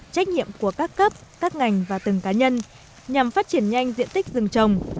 trách nhiệm của các cấp các ngành và từng cá nhân nhằm phát triển nhanh diện tích rừng trồng